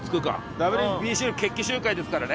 ＷＢＣの決起集会ですからね。